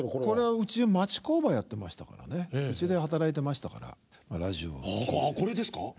これはうち町工場やってましたからねうちで働いてましたからラジオをこれですか？